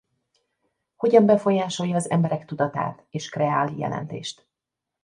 Hogyan befolyásolja az emberek tudatát és kreál jelentést?